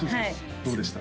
どうでした？